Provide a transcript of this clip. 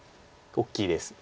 大きいです。